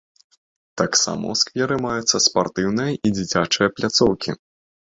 Таксама ў скверы маюцца спартыўная і дзіцячая пляцоўкі.